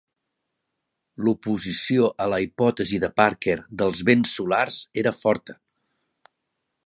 L'oposició a la hipòtesi de Parker dels vents solars era forta.